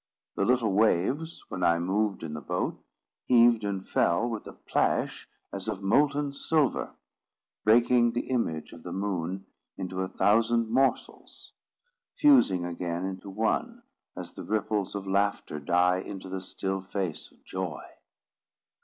The little waves, when I moved in the boat, heaved and fell with a plash as of molten silver, breaking the image of the moon into a thousand morsels, fusing again into one, as the ripples of laughter die into the still face of joy.